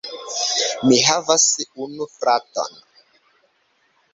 Mi havas unu fraton.